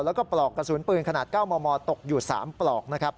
แล้วก็ปลอกกระสุนปืนขนาดเก้าหมอตกอยู่๓ปลอก